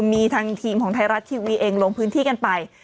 มีทางทีมของไทยรัฐทีวีเองลงพื้นที่กันไป